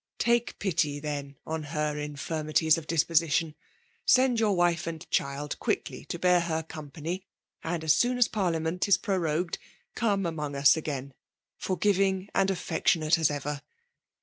Take pity, then« on her infirmities of disposition; send your wife and child quickly to bear her com* pany; and as soon as parliament is pro l^ogued* come among us again, forgiying and affectionate as ever.